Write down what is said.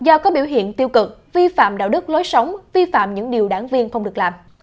do có biểu hiện tiêu cực vi phạm đạo đức lối sống vi phạm những điều đảng viên không được làm